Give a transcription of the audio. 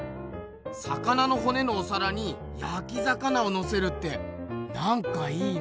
魚のほねのおさらにやき魚をのせるってなんかいいね。